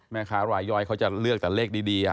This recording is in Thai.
แม่ค้ารายย่อยเขาจะเลือกแต่เลขดี